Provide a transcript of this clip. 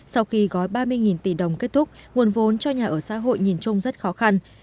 sau khi gói ba mươi tỷ đồng kết thúc nguồn vốn cho nhà ở xã hội nhìn chung rất khó khăn